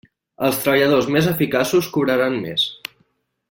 Els treballadors més eficaços cobraran més.